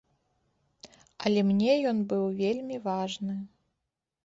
Але мне ён быў вельмі важны.